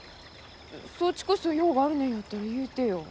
そっちこそ用があるねんやったら言うてよ。